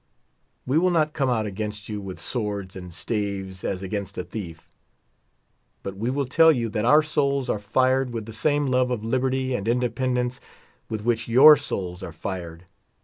We will not come out against you with swords and staves, as against a thief; but we will tell you that our souls are fired with the same love of liberty and independence with which your souls are fired.